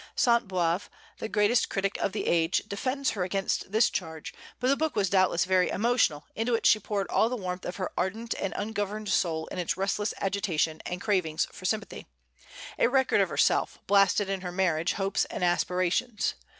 Sainte Beuve, the greatest critic of the age, defends her against this charge; but the book was doubtless very emotional, into which she poured all the warmth of her ardent and ungoverned soul in its restless agitation and cravings for sympathy, a record of herself, blasted in her marriage hopes and aspirations.